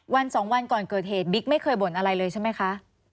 วันสองวันก่อนเกิดเหตุบิ๊กไม่เคยบ่นอะไรเลยใช่ไหมคะ